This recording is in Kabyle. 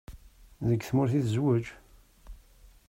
Deg tmurt i tezweǧ?